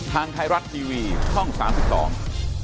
ทางไทรัตน์ทีวีช่อง๓๒